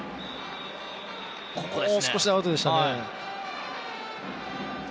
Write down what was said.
もう少しでアウトでしたね。